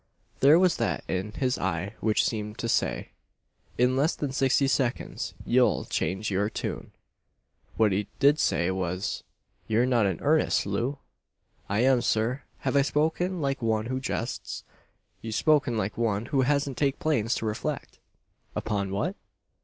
There was that in his eye which seemed to say: "In less than sixty seconds, you'll change your tune." What he did say was: "You're not in earnest, Loo?" "I am, sir. Have I spoken like one who jests?" "You've spoken like one, who hasn't taken pains to reflect." "Upon what?"